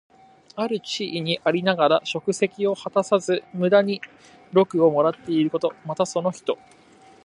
ある地位にありながら職責を果たさず、無駄に禄をもらっていること。また、その人。